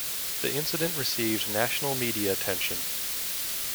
The incident received national media attention.